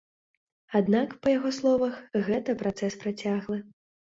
Аднак, па яго словах, гэта працэс працяглы.